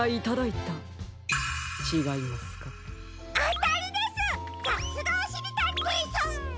さすがおしりたんていさん！